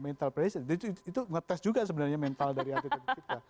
mental pressure itu ngetes juga sebenarnya mental dari atlet atlet kita